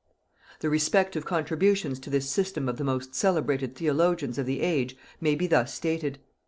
The respective contributions to this system of the most celebrated theologians of the age may be thus stated.